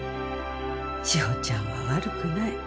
「“志保ちゃんは悪くない。